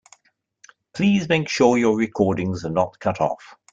Please make sure your recordings are not cut off.